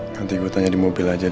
nanti gue tanya di mobil aja